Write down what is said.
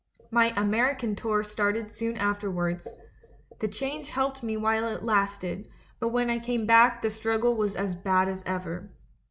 My American tour started soon after wards. The change helped me while it lasted, but when I came back the struggle was as bad as ever.